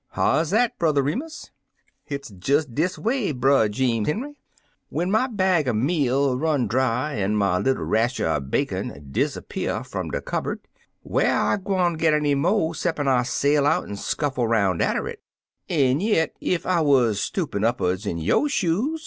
" How is that. Brother Remus ?"Hit's des dis away. Brer Jeems Henry. When my bag er meal run dry, an' my little rasher er bacon disrepear fum de cubberd, whar I gwine git any mo' 'ceppin' I saU out an' scuffle 'roxm' atter it? An' yit, ef I wuz stoopin' up'erds in yo' shoes.